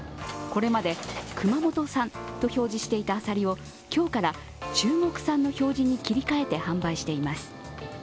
これまで熊本産と表示していたアサリを今日から中国産の表示に切り替えて販売しています。